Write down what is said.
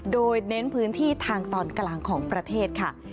โดยเน้นพื้นที่ทางตอนกลางของประเทศค่ะ